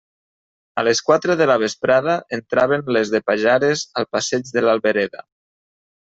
A les quatre de la vesprada entraven les de Pajares al passeig de l'Albereda.